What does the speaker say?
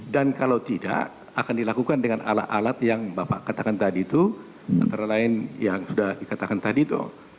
dan kalau tidak akan dilakukan dengan alat alat yang bapak katakan tadi itu antara lain yang sudah dikatakan tadi itu